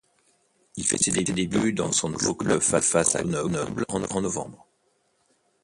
Il fait ses débuts dans son nouveau club face à Grenoble en novembre.